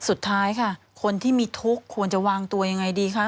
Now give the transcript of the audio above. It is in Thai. สุดท้ายค่ะคนที่มีทุกข์ควรจะวางตัวยังไงดีคะ